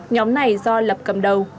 nhóm này do lập cầm đầu